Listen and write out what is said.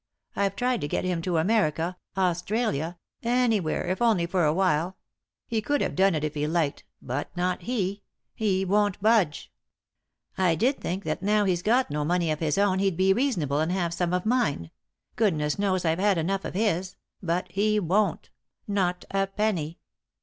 I've tried to get him to America, Australia, anywhere, if only for a while ; he could have done it if he liked; but not he; he won't budge. I did think that now he's got no money of his own he'd be reasonable, and have some of mine — goodness knows I've had enough of his — but he won't ; not a penny.